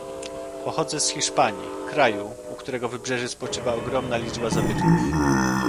Pochodzę z Hiszpanii, kraju, u którego wybrzeży spoczywa ogromna liczba zabytków